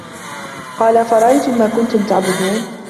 قالَ أَفَرَأَيتُم ما كُنتُم تَعبُدونَ